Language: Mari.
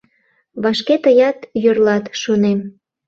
Вашке тыят йӧрлат, — шонем.